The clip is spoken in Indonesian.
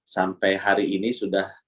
sampai hari ini sudah